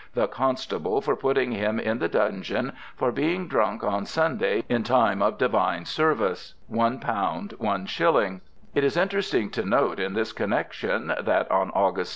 the Constable for putting him in the Dungeon for being drunk on Sunday in time of divine Service .............................. l/l/ " It is interesting to note in this connection that on August 16, 1762, was "Pd."